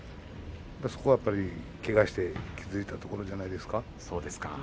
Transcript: そこが、けがをして気付いたところじゃないですか。